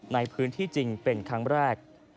ในพื้นที่จริงเป็นครั้งแรก